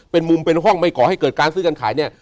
เป็นมุมเป็นห้องไม่ก่อให้เกิดการซื้อการขายเนี่ย